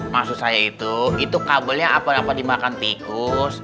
maksud saya itu itu kabelnya apa dapat dimakan tikus